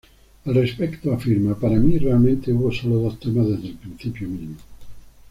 Al respecto afirma: "Para mí, realmente hubo sólo dos temas desde el principio mismo.